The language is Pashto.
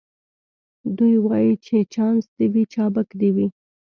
دی وايي چي چانس دي وي چابک دي وي